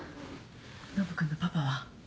ノブ君のパパは？